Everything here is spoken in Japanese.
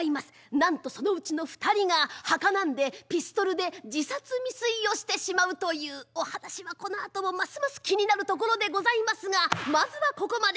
なんとそのうちの２人がはかなんでピストルで自殺未遂をしてしまうというお話はこのあともますます気になるところでございますがまずはここまで。